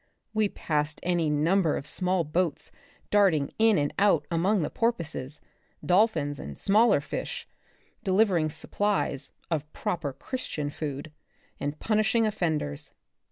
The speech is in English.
We passed any number of small boats darting in and out among the porpoises, dolphins and smaller fish, delivering supplies (of proper Christian food) and punishing offend ers.